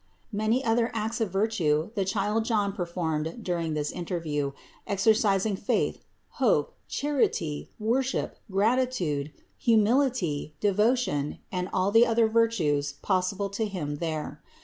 Many other acts of virtue the child John performed during this interview, exercising faith, hope, charity, worship, gratitude, humility, devo tion and all the other virtues possible to him there.